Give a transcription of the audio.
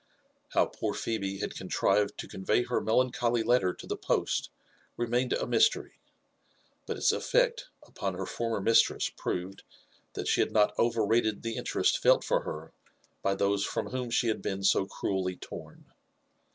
' How poor Phebe had contrived to convey her melancholy letter to the post remained a mystery ; but its effect upon her former mistress proved that she had not overrated the interest felt for her by those Irom whom she had been so cruelly torn.